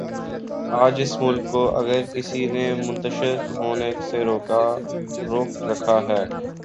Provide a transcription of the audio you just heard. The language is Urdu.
آج اس ملک کو اگر کسی نے منتشر ہونے سے روک رکھا ہے۔